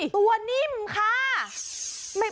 ตัวนิ่มค่ะ